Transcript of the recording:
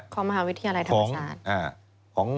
ของมหาวิทยาลัยธรรมศาสตร์